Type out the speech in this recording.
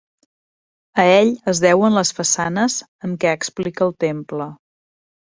A ell es deuen les façanes amb què explica el temple.